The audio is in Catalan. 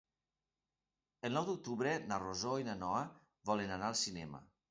El nou d'octubre na Rosó i na Noa volen anar al cinema.